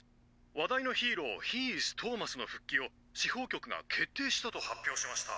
話題のヒーローヒーイズトーマスの復帰を司法局が決定したと発表しました。